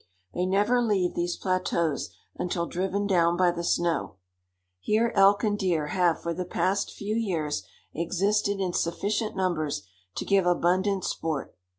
They never leave these plateaus until driven down by the snow. Here elk and deer have for the past few years existed in sufficient numbers to give abundant sport.